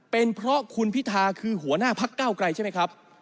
เป็นเพราะคุณพิธาคือหัวหน้าพักเก้าไกลใช่ไหมครับ